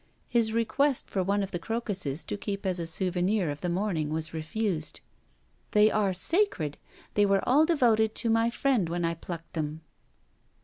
His request for one of the crocuses to keep as a souvenir of the morning was refused. 'They are sacred; they were all devoted to my friend when I plucked them.'